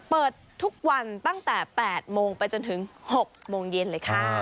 เปิดทุกวันตั้งแต่๘โมงไปจนถึง๖โมงเย็นเลยค่ะ